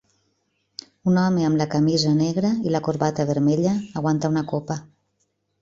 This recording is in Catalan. Un home amb la camisa negra i la corbata vermella aguanta una copa.